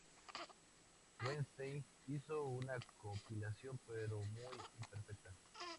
Wettstein hizo una compilación, pero muy imperfecta.